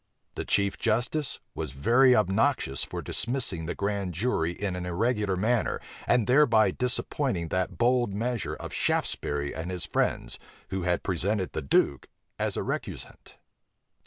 The chief justice was very obnoxious for dismissing the grand jury in an irregular manner, and thereby disappointing that bold measure of Shaftesbury and his friends, who had presented the duke as a recusant.